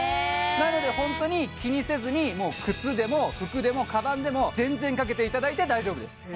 なので本当に気にせずに靴でも服でもかばんでも全然かけていただいて大丈夫です